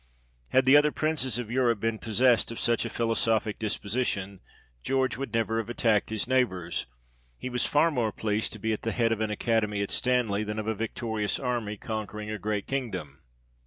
Had the other Princes of Europe been possessed of such a philosophic disposition, George would never have attacked his neighbours ; he was far more pleased to be at the head of an academy at Stanley, than of a victorious army, conquering a great kingdom.